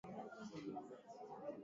televisheni mbovu.